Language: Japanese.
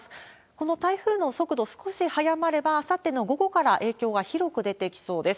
この台風の速度、少し早まれば、あさっての午後から影響が広く出てきそうです。